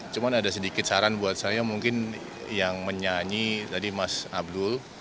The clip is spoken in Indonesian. cuma ada sedikit saran buat saya mungkin yang menyanyi tadi mas abdul